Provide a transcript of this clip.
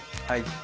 はい。